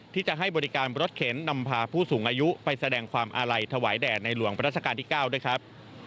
ที่จะให้บริการรถเข็นนำพาผู้สูงอายุไปแสดงความอาลัยถวายแด่ในหลวงประราชการที่๙ด้วยครับ